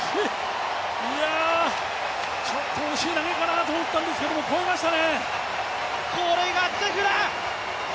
いや、ちょっと惜しい投げかなと思ったんですけど飛びましたね。